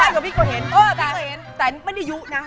นี่มันตอนนี้เป็นพี่เก่าเห็น